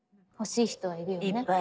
欲しい人はいるよね。